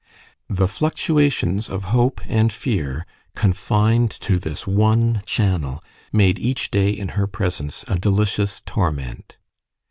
The fluctuations of hope and fear, confined to this one channel, made each day in her presence a delicious torment.